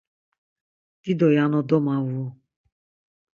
Dido yano domavu.